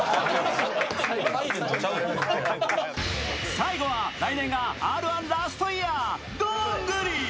最後は来年がＲ−１ラストイヤー、どんぐり。